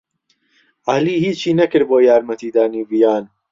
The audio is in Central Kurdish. عەلی ھیچی نەکرد بۆ یارمەتیدانی ڤیان.